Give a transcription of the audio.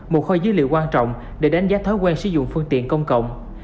một kho dữ liệu quan trọng để đánh giá thói quen sử dụng phương tiện công cộng